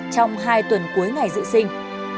trong hai tuần cuối ngày dự sinh